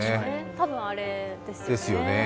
多分あれですよね。